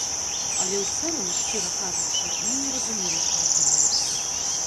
Але ў цэлым, шчыра кажучы, мы не разумелі, што адбываецца.